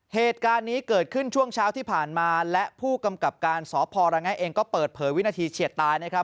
เหตุการณ์นี้เกิดขึ้นช่วงเช้าที่ผ่านมาและผู้กำกับการสพระแงะเองก็เปิดเผยวินาทีเฉียดตายนะครับ